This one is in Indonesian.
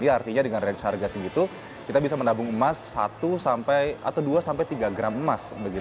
artinya dengan range harga segitu kita bisa menabung emas satu sampai atau dua sampai tiga gram emas